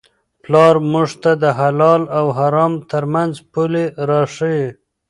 پلار موږ ته د حلال او حرام ترمنځ پولې را ښيي.